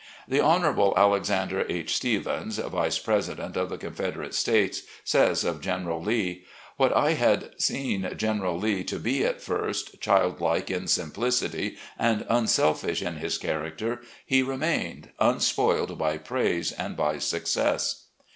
.. The Honourable Alexander H. Stephens, Vice President of the Confederate States, says of General Lee: " What I had seen General Lee to be at first — child like in simplicity and tmselfish in his character — he remained, unspoiled by praise and by success."